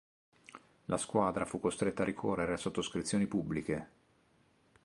La squadra fu costretta a ricorrere a sottoscrizioni pubbliche.